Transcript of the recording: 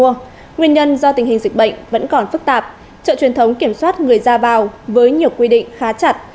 nguyên nhân do tình hình dịch bệnh vẫn còn phức tạp chợ truyền thống kiểm soát người ra vào với nhiều quy định khá chặt